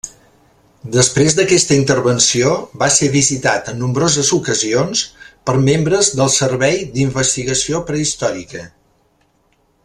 Després d'aquesta intervenció va ser visitat en nombroses ocasions per membres del Servei d'Investigació Prehistòrica.